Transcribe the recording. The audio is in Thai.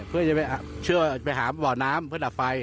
เพื่อจะไปหาเบาะน้ำเพื่อดับไฟ